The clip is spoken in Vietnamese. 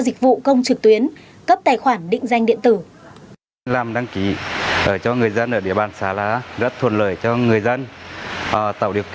dịch vụ công trực tuyến cấp tài khoản định danh điện tử